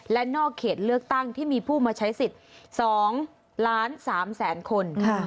และนอกเขตเลือกตั้งที่มีผู้มาใช้สิทธิ์๒ล้าน๓แสนคน